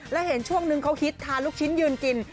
แล้วเห็นช่วงนึงเขาฮิตทาลูกชิ้นยืนกิน